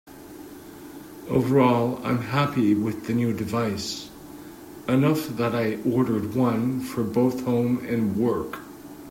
Overall I'm happy with the new device, enough that I ordered one for both home and work.